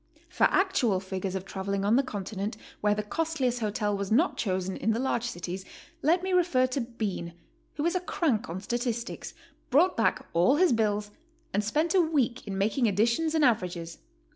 For actual figures of traveling on the Continent where the costliest hotel .was not chosen in the large cities,' let me refer to Bean, who is a crank on statistics, brought back all his bills, and spent a week in making additions and averages.